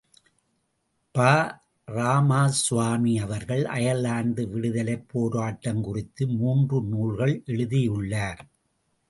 ப. ராமஸ்வாமி அவர்கள் அயர்லாந்து விடுதலைப் போராட்டம் குறித்து மூன்று நூல்கள் எழுதியுள்ளார்.